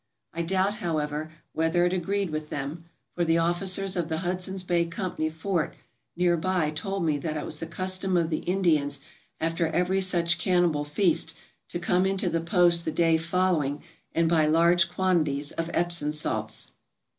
I doubt, however, whether it agreed with them, for the officers of the Hudson's Bay Company fort near by told me that it was the custom of the Indians after every such cannibal feast to come into the post the day following and buy large quantities of epsom salts."